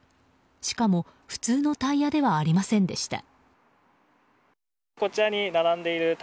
しかも、普通のタイヤではありませんでした。